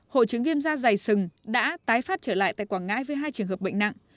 hội chứng viêm da dày sừng đã tái phát trở lại tại quảng ngãi với hai trường hợp bệnh nặng